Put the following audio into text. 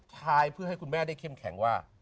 ทายเพื่อให้คุณแม่ได้เข้มแข็งว่า